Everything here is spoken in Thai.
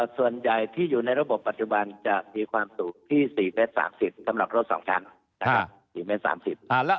ส่วนใหญ่ที่อยู่ในระบบปัจจุบันจะมีความสูงที่๔เมตร๓๐สำหรับรถ๒ชั้น